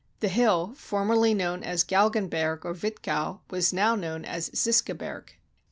The hill, formerly known as Galgenberg or Witkow, was now known as Ziscaberg.